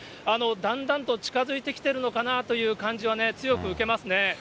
だんだんと近づいてきているのかなという感じはね、強く受けますね。